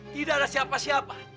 tidak ada siapa siapa